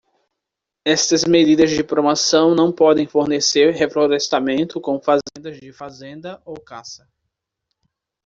Estas medidas de promoção não podem fornecer reflorestamento com fazendas de fazenda ou caça.